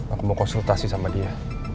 aku mau konsultasi sama dia